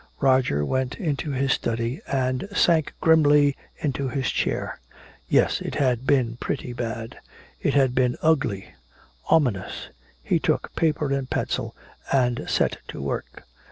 Roger went into his study and sank grimly into his chair. Yes, it had been pretty bad; it had been ugly, ominous. He took paper and pencil and set to work.